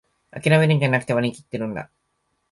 あきらめるんじゃなく、割りきってるんだ